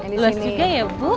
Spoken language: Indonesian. dua sikap ya bu